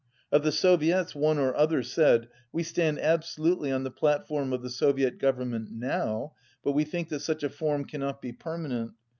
Of the Soviets, one or other said, "We stand abso lutely on the platform of the Soviet Government now: but we think that such a form cannot be permanent.